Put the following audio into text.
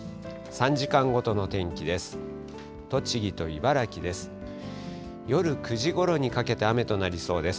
３時間ごとの天気です。